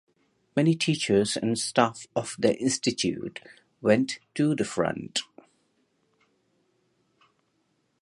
Many teachers and staff of the Institute went to the front.